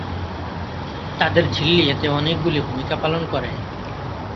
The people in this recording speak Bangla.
তাদের ঝিল্লি এতে অনেকগুলি ভূমিকা পালন করে।